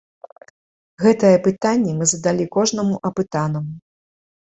Гэтае пытанне мы задалі кожнаму апытанаму.